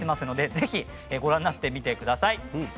ぜひご覧になってみてください。